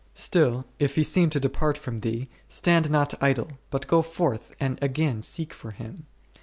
Still if He seem to depart from thee, stand not idle, but go forth and again seek for Him.